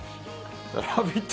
「ラヴィット！」